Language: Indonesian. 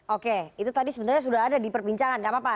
oke itu tadi sebenarnya sudah ada di perbincangan gak apa apa